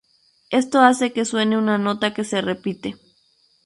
Esto hace que suene una nota que se repite.